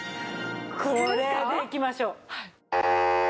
これでいきましょう。